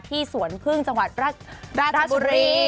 สวนพึ่งจังหวัดราชบุรี